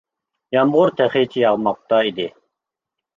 يامغۇر تېخىچە ياغماقتا ئىدى.